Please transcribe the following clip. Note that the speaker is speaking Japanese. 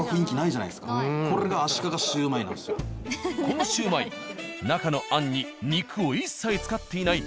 このシュウマイ中のあんに肉を一切使っていない。